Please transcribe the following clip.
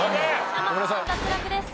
生瀬さん脱落です。